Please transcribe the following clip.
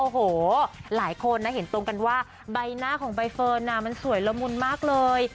โอ้โหหลายคนนะเห็นตรงกันว่าใบหน้าของใบเฟิร์นมันสวยละมุนมากเลย